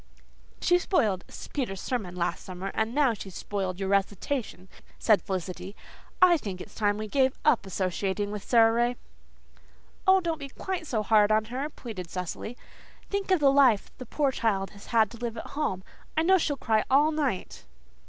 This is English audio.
"She spoiled Peter's sermon last summer and now she's spoiled your recitation," said Felicity. "I think it's time we gave up associating with Sara Ray." "Oh, don't be quite so hard on her," pleaded Cecily. "Think of the life the poor child has to live at home. I know she'll cry all night."